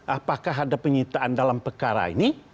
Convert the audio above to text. apakah ada penyitaan dalam perkara ini